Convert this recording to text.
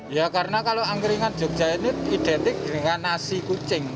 ya karena kalau angkringan jogja ini identik dengan nasi kucing